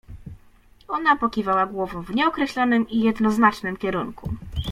Ona pokiwała głową w nieokreślonym i jednoznacznym kierunku.